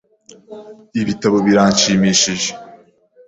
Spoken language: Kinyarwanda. Ibitabo biranshimishije .